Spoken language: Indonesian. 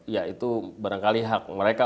ya itu barangkali hak mereka